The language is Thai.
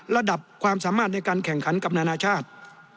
ระดับความสามารถในการแข่งขันกับนานาชาติ